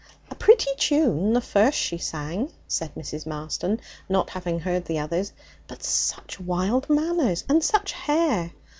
'A pretty tune, the first she sang,' said Mrs. Marston, not having heard the others. 'But such wild manners and such hair!